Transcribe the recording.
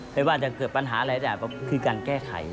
ไม่ว่าจะเกิดปัญหาอะไรได้ก็คือการแก้ไข